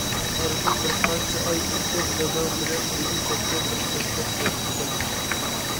ئارىدىن بىر قانچە ئاي ئۆتۈپ، داداڭ بىلەن بىرگە كەتكەن بىر كەپتەر قايتىپ كەلدى.